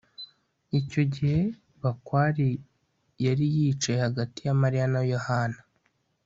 icyo gihe, bakware yari yicaye hagati ya mariya na yohana